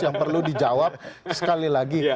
yang perlu dijawab sekali lagi